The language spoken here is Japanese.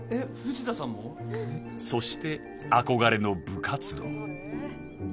［そして憧れの部活動］